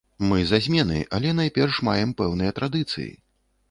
Мы за змены, але найперш маем пэўныя традыцыі.